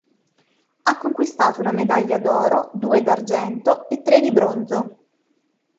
Ha conquistato una medaglia d'oro, due d'argento e tre di bronzo.